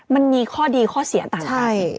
มันมีข้อดีข้อเสียต่างกัน